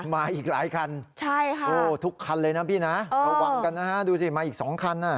มาอีกหลายคันทุกคันเลยนะพี่นะระวังกันนะฮะดูสิมาอีก๒คัน